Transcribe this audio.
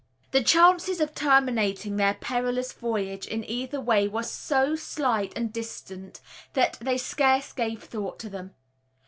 The chances of terminating their perilous voyage in either way were so slight and distant, that they scarce gave thought to them.